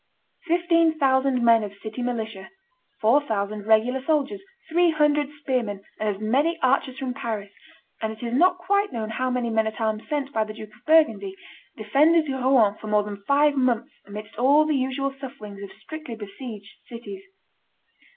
Fifteen thousand men of city militia, four thousand regular soldiers, three hundred spearmen and as many archers from Paris, and it is not quite known how many men at arms sent by the Duke of Burgundy, defended Rouen for more than five months amidst all the usual sufferings of strictly besieged cities.